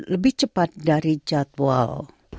lebih cepat dari jadwal